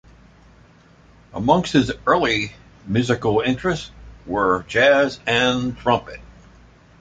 Amongst his early musical interests were jazz and trumpet.